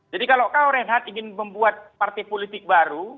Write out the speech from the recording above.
jadi kalau kau renhad ingin membuat partai politik baru